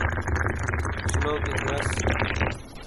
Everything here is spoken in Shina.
شیلوکیک رس